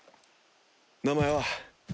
名前は？